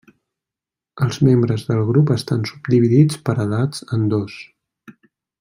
Els membres del grup estan subdividits per edats en dos.